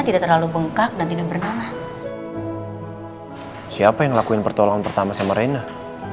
tidak terlalu bengkak dan tidak bernanah siapa yang lakuin pertolongan pertama sama bapak saya laki laki